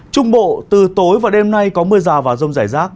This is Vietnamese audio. trung bộ từ tối và đêm nay có mưa rào và rông rải rác